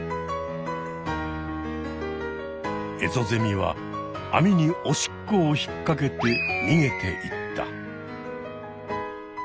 エゾゼミは網にオシッコを引っかけてにげていった。